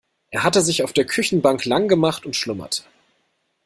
Er hatte sich auf der Küchenbank lang gemacht und schlummerte.